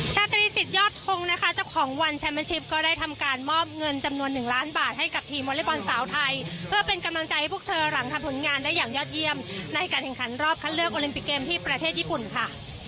ชาตรีสิทธยอดทงนะคะเจ้าของวันแชมเป็นชิปก็ได้ทำการมอบเงินจำนวนหนึ่งล้านบาทให้กับทีมวอเล็กบอลสาวไทยเพื่อเป็นกำลังใจให้พวกเธอหลังทำผลงานได้อย่างยอดเยี่ยมในการแข่งขันรอบคัดเลือกโอลิมปิกเกมที่ประเทศญี่ปุ่นค่ะ